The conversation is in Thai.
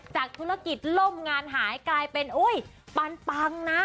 ธุรกิจล่มงานหายกลายเป็นปันนะ